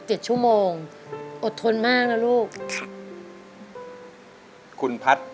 ใช่ค่ะ